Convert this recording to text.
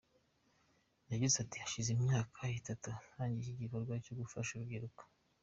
Yagize ati:”hashize imyaka itatu ntangiye iki gikorwa cyo gufasha uru rubyiruko.